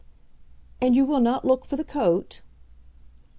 "And you will not look for the coat?"